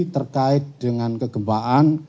terkait dengan kegembaan